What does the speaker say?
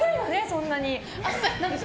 そんなに。